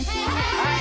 はい！